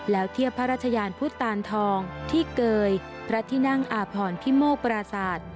แล้วเทียบพระราชยานพุทธตานทองที่เกยพระที่นั่งอาพรพิโมกปราศาสตร์